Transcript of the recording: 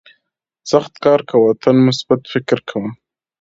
سخت کار کوه تل مثبت فکر کوه.